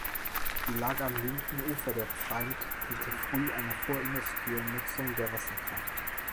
Die Lage am linken Ufer der Pfreimd diente früh einer vorindustriellen Nutzung der Wasserkraft.